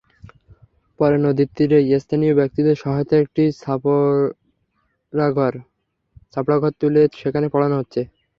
পরে নদীর তীরেই স্থানীয় ব্যক্তিদের সহায়তায় একটি ছাপরাঘর তুলে সেখানে পড়ানো হচ্ছে।